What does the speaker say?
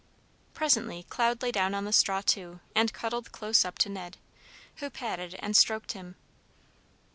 Presently Cloud lay down on the straw too, and cuddled close up to Ned, who patted and stroked him.